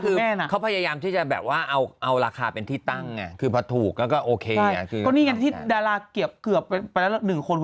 เพื่อพยายามที่จะแบบว่าเอาเอาราคาเป็นที่ตั้งผลัดถูกแล้วก็ติดราเกือบประดับ๑คน